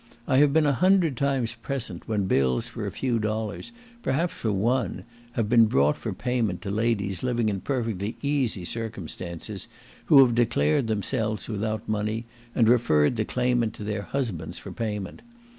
I have been a hundred times present when bills for a few dollars, perhaps for one, have been brought for payment to ladies living in perfectly easy circumstances, who have declared themselves without money, and referred the claimant to their husbands for payment.